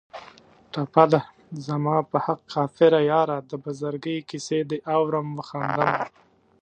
ټپه ده: زما په حق کافره یاره د بزرګۍ کیسې دې اورم و خاندمه